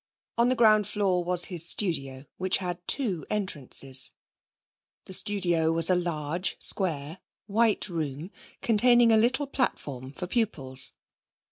On the ground floor was his studio, which had two entrances. The studio was a large, square, white room, containing a little platform for pupils.